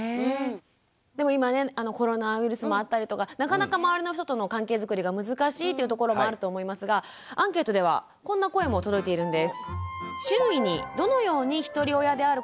でも今ねコロナウイルスもあったりとかなかなか周りの人との関係づくりが難しいというところもあると思いますがアンケートではこんな声も届いているんです。